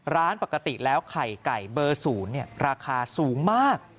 ร้านปกติแล้วไข่ไก่เบอร์๐ราคาสูงมาก